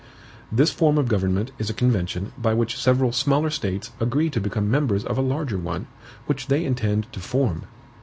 "This form of government is a convention by which several smaller STATES agree to become members of a larger ONE, which they intend to form.